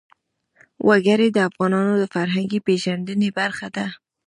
وګړي د افغانانو د فرهنګي پیژندنې برخه ده.